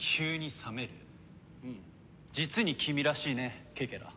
うん実に君らしいねケケラ。